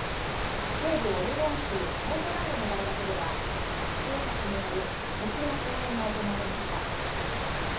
西部オレゴン州ポートランドの大学では学生たちによる歌舞伎の公演が行われました。